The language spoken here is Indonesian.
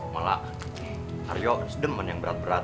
malah aryo sedem man yang berat berat